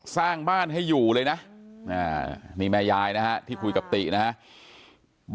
สร้างบ้านให้อยู่เลยนะนี่แม่ยายนะฮะที่คุยกับตินะครับ